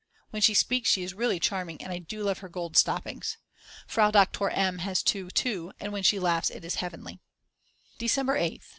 When she speaks she is really charming, and I do love her gold stoppings. Frau Doktor M. has two too and when she laughs its heavenly. December 8th.